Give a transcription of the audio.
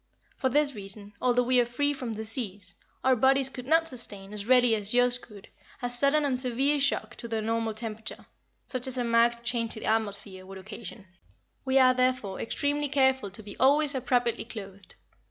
For this reason, although we are free from disease, our bodies could not sustain, as readily as yours could, a sudden and severe shock to their normal temperature, such as a marked change in the atmosphere would occasion. We are, therefore, extremely careful to be always appropriately clothed.